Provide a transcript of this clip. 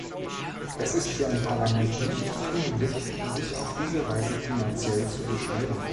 Es ist für ein Parlament nicht tunlich, sich auf diese Weise finanziell zu beschneiden.